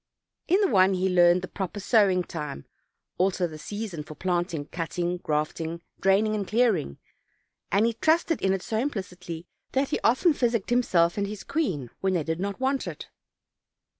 In the one he learned the proper sowing time, also the season for planting, cutting, grafting, draining and clearing, and he trusted in it so implicitly that he often physicked himself and his queen when they did not want it.